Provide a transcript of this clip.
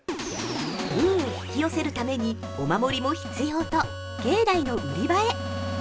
◆運を引き寄せるためにお守りも必要と、境内の売り場へ。